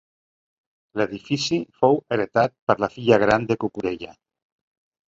L'edifici fou heretat per la filla gran de Cucurella.